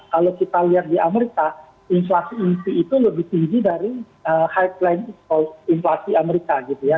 kalau kita lihat di amerika inflasi inti itu lebih tinggi dari high plan inflasi amerika gitu ya